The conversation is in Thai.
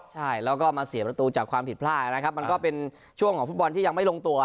ใช่แล้วก็มาเสียประตูจากความผิดพลาดนะครับมันก็เป็นช่วงของฟุตบอลที่ยังไม่ลงตัว